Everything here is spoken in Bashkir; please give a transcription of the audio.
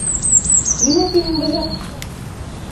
— Нимә тиһең, бөжәк?